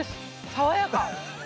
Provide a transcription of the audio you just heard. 爽やか。